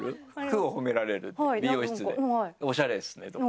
美容室で「おしゃれですね」とか。